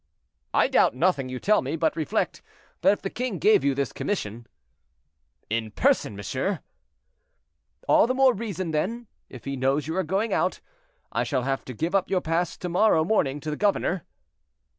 "I doubt nothing you tell me, but reflect that if the king gave you this commission—" "In person, monsieur." "All the more reason, then: if he knows you are going out, I shall have to give up your pass to morrow morning to the governor."